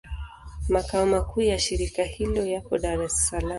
Makao makuu ya shirika hilo yapo Dar es Salaam.